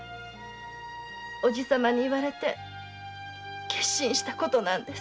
おじさまに言われて決心したことなんです。